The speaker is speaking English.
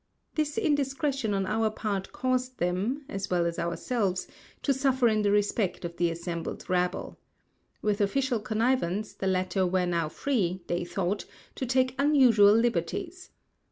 This indiscretion on our part caused them, as well as ourselves, to suffer in the respect of the assembled rabble. With official connivance, the latter were now free, they thought, to take unusual liberties.